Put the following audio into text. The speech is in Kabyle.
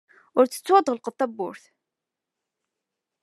Ur ttettu ad tɣelqed tawwurt.